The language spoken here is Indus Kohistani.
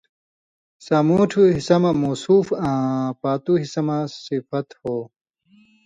سامُوٹھوۡ حصہ موصُوف آں پاتُو حصہ صفت ہو